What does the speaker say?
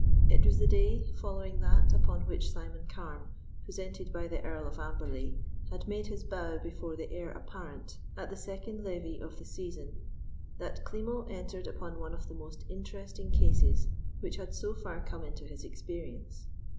* It was the day following that upon which Simon Carne, presented by the Earl of Amberley, had made his bow before the Heir Apparent at the second levee of the season, that Klimo entered upon one of the most interesting cases which had so far come into his experience.